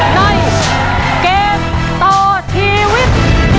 ในเกมต่อชีวิต